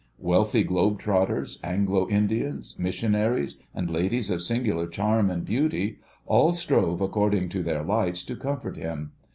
Wealthy globe trotters, Anglo Indians, missionaries, and ladies of singular charm and beauty, all strove according to their lights to comfort him.